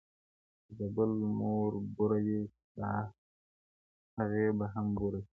o چي د بل مور بوره وې، ستا هغې به هم بوره سي!